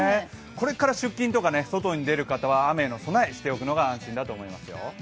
これから出勤とか外に出る方は雨への備え、しておくのが安心だと思いますよ。